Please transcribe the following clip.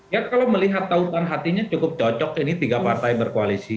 ya kalau melihat tautan hatinya cukup cocok ini tiga partai berkoalisi